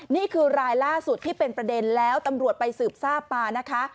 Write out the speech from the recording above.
นี่คือรายล่าสุดที่เป็นประเด็นแล้วตำรวจไปสืบทราบมานะคะ